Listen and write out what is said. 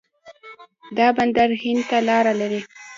دا بندر هند ته لاره لري.